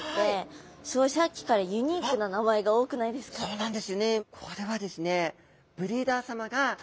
そうなんですよね。